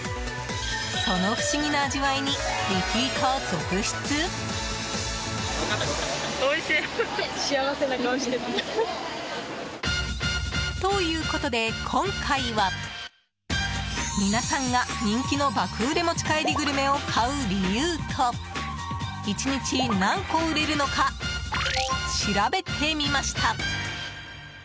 その不思議な味わいにリピーター続出。ということで今回は皆さんが人気の爆売れ持ち帰りグルメを買う理由と１日、何個売れるのか調べてみました。